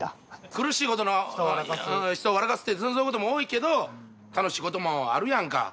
苦しい事の人を笑かすってそういう事も多いけど楽しい事もあるやんか。